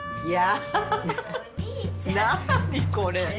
いや何これ。